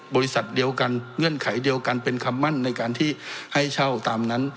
บริษัทเดียวกันเงื่อนไขเดียวกันเป็นคำมั่นในการที่ให้เช่าตามนั้น